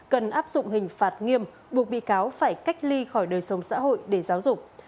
cần áp dụng hình phạt nghiêm buộc bị cáo phải cách ly khỏi đời sống xã hội để giáo dục